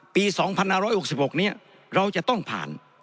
ปี๒๕๖๖นี้เราจะต้องผ่าน